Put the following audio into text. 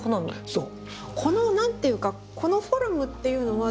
そう。